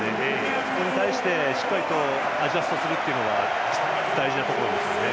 それに対してしっかりとアジャストするというのが大事なところですね。